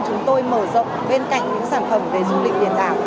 chúng tôi mở rộng bên cạnh những sản phẩm về du lịch điện đạo